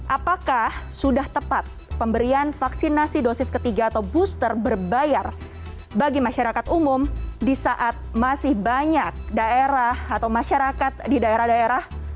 apakah sudah tepat pemberian vaksinasi dosis ketiga atau booster berbayar bagi masyarakat umum di saat masih banyak daerah atau masyarakat di daerah daerah